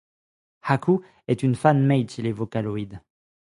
Haku est une Fanmade chez les Vocaloid.